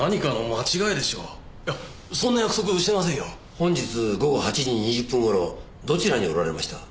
本日午後８時２０分頃どちらにおられました？